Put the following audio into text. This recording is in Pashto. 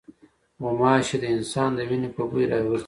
غوماشې د انسان د وینې په بوی ورځي.